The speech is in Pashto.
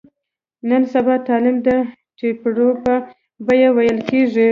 نن سبا تعلیم د ټېپرو په بیه ویل کېږي.